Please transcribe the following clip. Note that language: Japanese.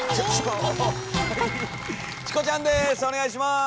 チコちゃんです！